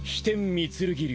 御剣流。